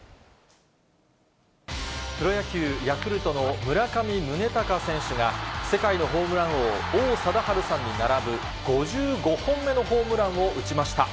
プロ野球・ヤクルトの村上宗隆選手が、世界のホームラン王、王貞治さんに並ぶ、５５本目のホームランを打ちました。